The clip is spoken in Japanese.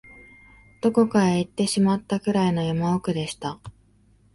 どこかへ行ってしまったくらいの山奥でした